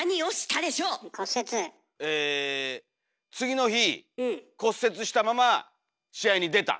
え次の日骨折したまま試合に出た。